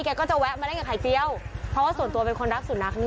ก็จะแวะมาเล่นกับไข่เจียวเพราะว่าส่วนตัวเป็นคนรักสุนัข